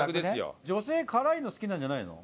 女性辛いの好きなんじゃないの？